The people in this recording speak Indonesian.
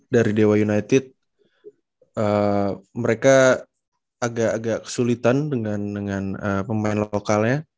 dari dewa united mereka agak agak kesulitan dengan pemain lokalnya